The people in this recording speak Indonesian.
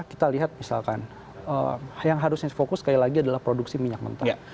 kita lihat misalkan yang harusnya fokus sekali lagi adalah produksi minyak mentah